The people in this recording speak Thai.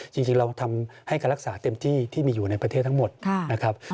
จริงเราทำให้การรักษาเต็มที่ที่มีอยู่ในประเทศทั้งหมดนะครับ